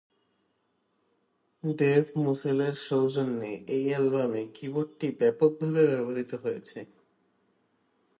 Dave মুসেলের সৌজন্যে এই অ্যালবামে কীবোর্ডটি ব্যাপকভাবে ব্যবহৃত হয়েছে।